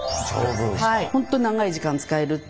本当長い時間使えるっていう。